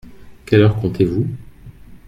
Quelle heure comptez-vous ?